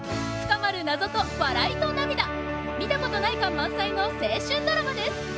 深まる謎と笑いと涙見たことない感満載の青春ドラマです！